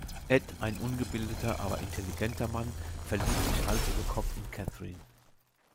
Ed, ein ungebildeter, aber intelligenter Mann, verliebt sich Hals über Kopf in Catherine.